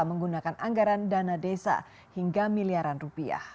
menggunakan anggaran dana desa hingga miliaran rupiah